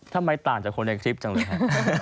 ทำไมต่างจากคนในคลิปจังเลยฮะ